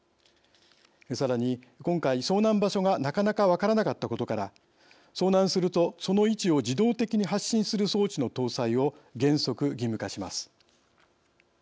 さらに今回、遭難場所がなかなか分からなかったことから遭難するとその位置を自動的に発信する装置の搭載を原則、義務化します。